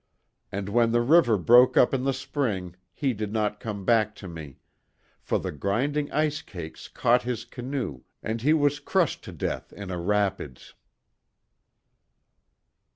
And when the river broke up in the spring he did not come back to me for the grinding ice cakes caught his canoe, and he was crushed to death in a rapids."